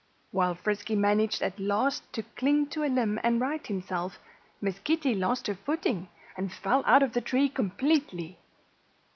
While Frisky managed at last to cling to a limb and right himself, Miss Kitty lost her footing and fell out of the tree completely.